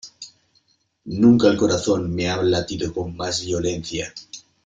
nunca el corazón me ha latido con más violencia .